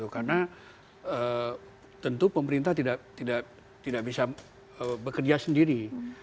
karena tentu pemerintah tidak bisa bekerja sendiri